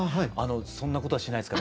そんなことはしないですから。